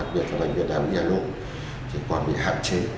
vì vậy mà